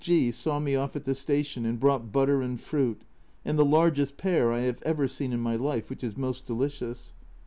G saw me off at the station and brought butter and fruit, and the largest pear I have ever seen in my life, which is most delicious.